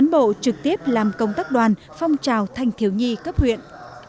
bộ trực tiếp làm công tác đoàn phong trào thanh thiếu nhi cấp huyện